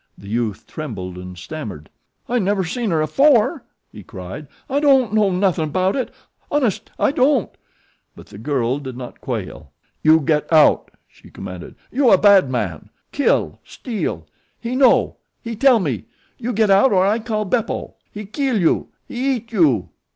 The youth trembled and stammered. "I never seen her afore," he cried. "I don' know nothin' about it. Honest I don't." But the girl did not quail. "You get out," she commanded. "You a bad man. Kill, steal. He know; he tell me. You get out or I call Beppo. He keel you. He eat you."